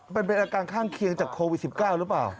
มันเป็นอาการข้างเคียงจากโควิด๑๙หรือเปล่า